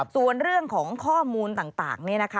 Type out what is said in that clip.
ส่วนเรื่องของข้อมูลต่างนี่นะคะ